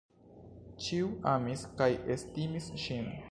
Ĉiu amis kaj estimis ŝin.